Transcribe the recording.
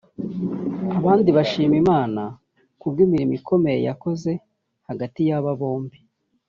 abandi bashima Imana kubw’imirimo ikomeye yakoze hagati y’aba bombi